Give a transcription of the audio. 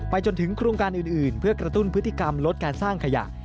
จนถึงโครงการอื่นเพื่อกระตุ้นพฤติกรรมลดการสร้างขยะ